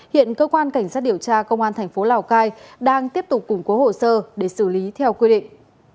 hiện cơ quan cảnh sát điều tra công an thành phố lào cai đang tiếp tục củng cố hồ sơ để xử lý theo quy định